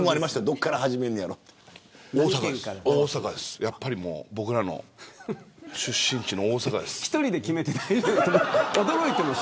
大阪です、やっぱり僕らの出身地の大阪です。